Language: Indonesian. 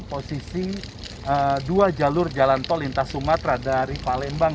posisi dua jalur jalan tol lintas sumatera dari palembang